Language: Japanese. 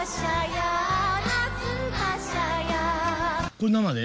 これ生で？